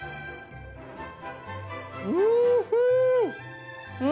うん！